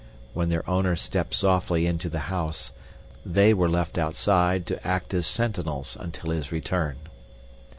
When their owner stepped softly into the house, they were left outside to act as sentinels until his return.